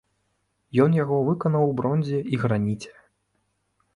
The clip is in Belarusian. Ён яго выканаў у бронзе і граніце.